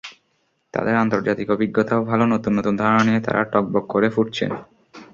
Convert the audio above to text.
তাঁদের আন্তর্জাতিক অভিজ্ঞতাও ভালো, নতুন নতুন ধারণা নিয়ে তাঁরা টগবগ করে ফুটছেন।